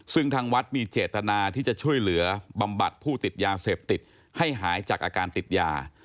ซึ่งทางวัดมีเจตนาที่จะช่วยเหลือบำบัดผู้ติดยาเสพติดให้หายจากอาการติดยา